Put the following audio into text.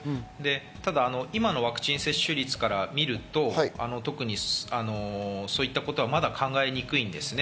ただ今のワクチン接種率から見ると、特にそういったことはまだ考えにくいんですね。